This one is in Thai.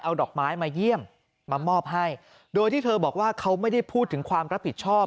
เอาดอกไม้มาเยี่ยมมามอบให้โดยที่เธอบอกว่าเขาไม่ได้พูดถึงความรับผิดชอบ